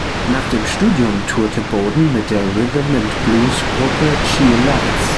Nach dem Studium tourte Bowden mit der Rhythm and Blues-Gruppe "Chi-Lites".